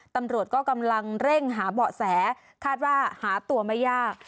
ตำรวจก็กำลังเร่งหาเบาะแสคาดว่าหาตัวไม่ยาก